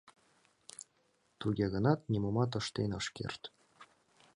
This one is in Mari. Туге гынат нимомат ыштен ыш керт.